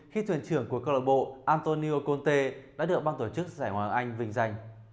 khi thuyền trưởng của club antonio conte đã được ban tổ chức giải ngoài hạng anh vinh danh